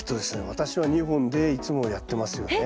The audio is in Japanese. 私は２本でいつもやってますよね。